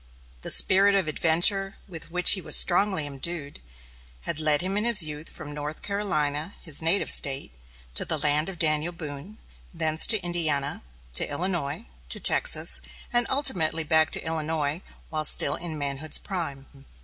The spirit of adventure, with which he was strongly imbued, had led him in his youth from North Carolina, his native State, to the land of Daniel Boone, thence to Indiana, to Illinois, to Texas, and ultimately back to Illinois, while still in manhood's prime.